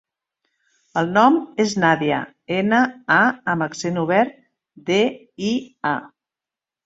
El nom és Nàdia: ena, a amb accent obert, de, i, a.